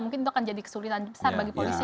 mungkin itu akan jadi kesulitan besar bagi polisi